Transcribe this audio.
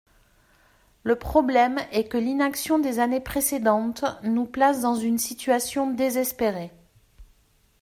Le problème est que l’inaction des années précédentes nous place dans une situation désespérée.